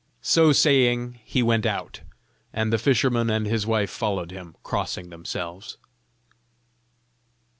So saying, he went out, and the fisherman and his wife followed him, crossing themselves.